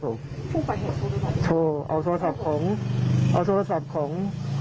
ผู้ก่อเหตุโทรไปบอกโทรเอาโทรศัพท์ของเอาโทรศัพท์ของ